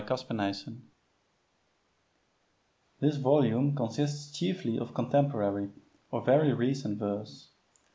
ULYSSES This volume consists chiefly of contemporary or very recent verse.